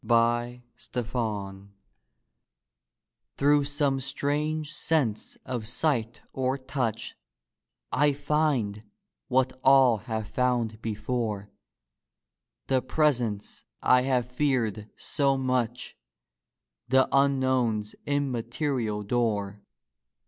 DEATH Through some strange sense of sight or touch I find what all have found before, The presence I have feared so much, The unknown's immaterial door.